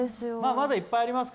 まだいっぱいありますから。